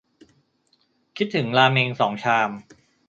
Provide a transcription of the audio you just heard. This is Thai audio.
คิดถึงราเม็งสองชาม